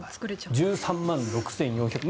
１３万６４００円。